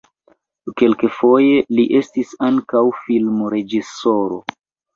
Kelkfoje li estis ankaŭ filmreĝisoro.